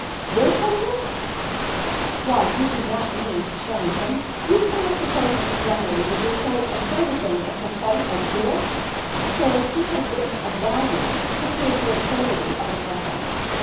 " Hear from you ! Why, you do not mean to chal lenge him ? you can't suppose Mr Glenmurray would do so absurd a thing as fight a duel ? Sir, he has written a volume to prove the absurdity of the custom.